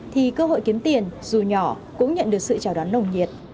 thì cơ hội kiếm tiền dù nhỏ cũng nhận được sự chào đón nồng nhiệt